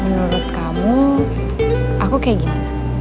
menurut kamu aku kayak gimana